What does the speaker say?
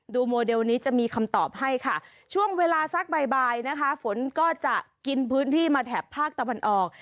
โมเดลนี้จะมีคำตอบให้ค่ะช่วงเวลาสักบ่ายนะคะฝนก็จะกินพื้นที่มาแถบภาคตะวันออก